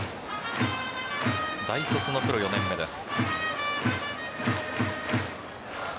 大卒のプロ４年目です。